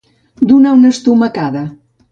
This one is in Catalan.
Donar una estomacada.